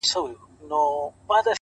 • يوه زاړه, يوه تک تور, يوه غریب ربابي,